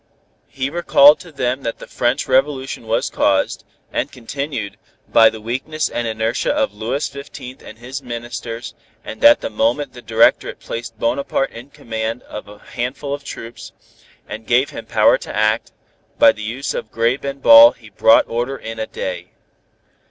He recalled to them that the French Revolution was caused, and continued, by the weakness and inertia of Louis Fifteenth and his ministers and that the moment the Directorate placed Bonaparte in command of a handful of troops, and gave him power to act, by the use of grape and ball he brought order in a day.